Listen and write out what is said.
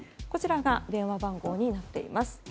こちらが電話番号になっています。